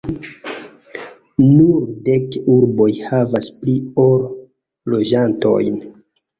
Nur dek urboj havas pli ol loĝantojn.